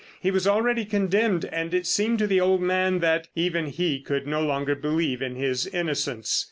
He was already condemned, and it seemed to the old man that even he could no longer believe in his innocence.